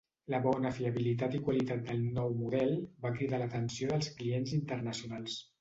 La bona fiabilitat i qualitat del nou model va cridar l'atenció de clients internacionals.